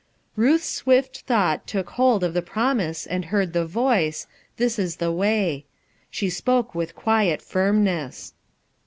Ruth's swift thought took hold of the prom ise and heard the voice: "This is the way." She spoke with quiet firmness.